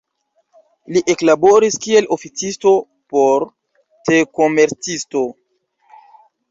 Li eklaboris kiel oficisto por te-komercisto.